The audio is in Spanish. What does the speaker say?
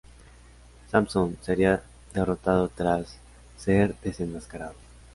Samson sería derrotado tras ser desenmascarado.